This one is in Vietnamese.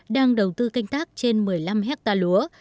đang đầu tư canh tác trên một mươi năm hectare lúa